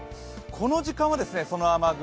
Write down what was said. この時間はその雨雲